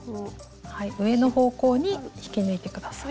上の方向に引き抜いて下さい。